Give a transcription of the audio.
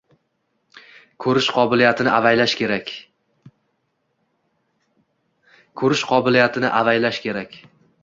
Ko‘rish qobiliyatini avaylash kerak!